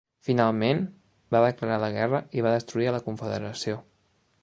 Finalment, va declarar la guerra i va destruir a la Confederació.